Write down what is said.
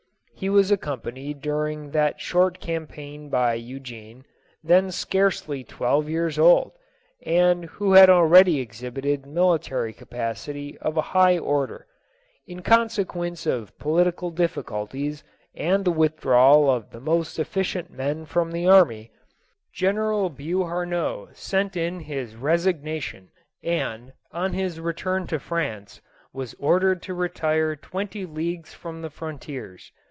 He was accompanied during that short campaign by Eugene, then scarcely twelve years old, and who had already exhibited military capacity of a high order. In consequence of political difficulties and the withdrawal of the most efficient men from the army. General Beauharnois sent in his resignation, and, on his return to France, was ordered to retire twenty leagues from the frontiers.